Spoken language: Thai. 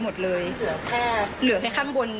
หมดเลยเหลือไปข้างบน